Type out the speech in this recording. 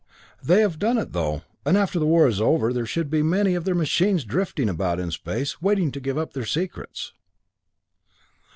They have done it, though; and after the war is over, there should be many of their machines drifting about in space waiting to give up their secrets."